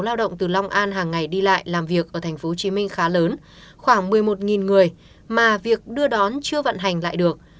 lao động từ long an hàng ngày đi lại làm việc ở tp hcm khá lớn khoảng một mươi một người mà việc đưa đón chưa vận hành lại được